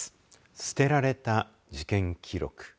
捨てられた事件記録。